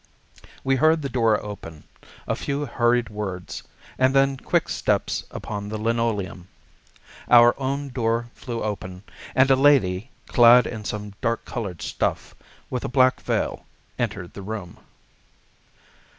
We heard the door open, a few hurried words, and then quick steps upon the linoleum. Our own door flew open, and a lady, clad in some dark coloured stuff, with a black veil, entered the room.